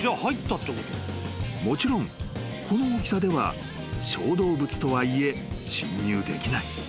［もちろんこの大きさでは小動物とはいえ侵入できない］